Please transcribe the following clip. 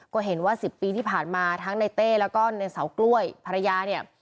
ก็เห็นว่า๑๐ปีที่ผ่านมาทั้งในเต้แล้วก็ในเสากล้วยภรรยาเนี่ย